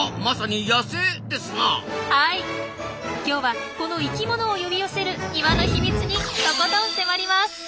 今日はこの生きものを呼び寄せる庭の秘密にとことん迫ります。